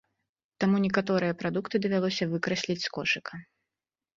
Таму некаторыя прадукты давялося выкрасліць з кошыка.